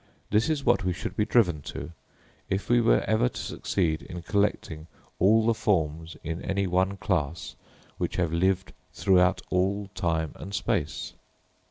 This is what we should be driven to, if we were ever to succeed in collecting all the forms in any one class which have lived throughout all time and space.